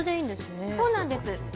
そうなんです。